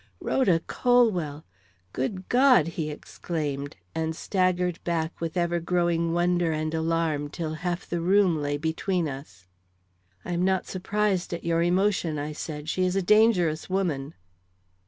"Rhoda Colwell! Good God!" he exclaimed, and staggered back with ever growing wonder and alarm till half the room lay between us. "I am not surprised at your emotion," I said; "she is a dangerous woman."